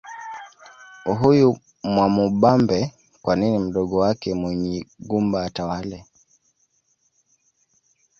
Huyu Mwamubambe kwa nini mdogo wake Munyigumba atawale